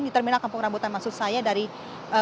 di terminal kampung rambutan maksud saya dari jakarta